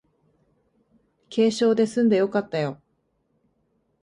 軽傷ですんでよかったよ